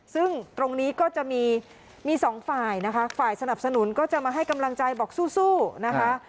ซึ่งตรงนี้ก็จะมีมีสองฝ่ายนะคะฝ่ายสนับสนุนก็จะมาให้กำลังใจบอกสู้นะคะ